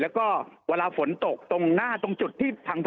และก็เวลาฝนตกตรงหน้าดตรงจุดที่ทางถลม